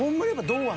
堂安